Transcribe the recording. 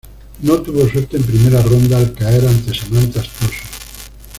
No tuvo suerte en primera ronda al caer ante Samantha Stosur.